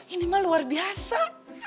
ini mah luar biasa